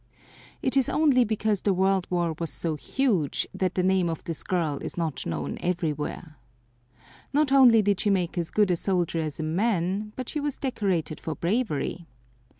It is only because the World War was so huge that the name of this girl is not known everywhere. Not only did she make as good a soldier as a man, but she was decorated for bravery.